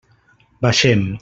Baixem.